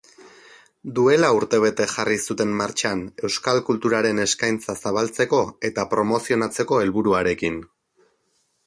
Duela urtebete jarri zuten martxan euskal kulturaren eskaintza zabaltzeko eta promozionatzeko helburuarekin.